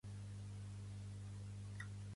Vaig a la plaça del Fènix.